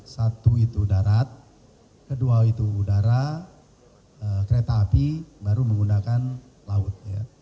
satu itu darat kedua itu udara kereta api baru menggunakan laut